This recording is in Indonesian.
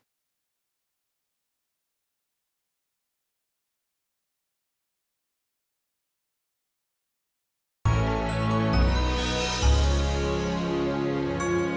dia belki nanti adaague in